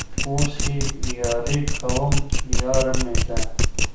اوس يې ياري كومه ياره مـي ده